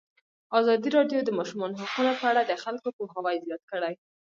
ازادي راډیو د د ماشومانو حقونه په اړه د خلکو پوهاوی زیات کړی.